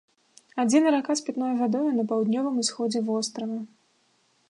Адзіная рака з пітной вадою на паўднёвым усходзе вострава.